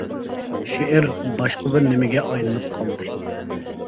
شېئىر باشقا بىر نېمىگە ئايلىنىپ قالدى.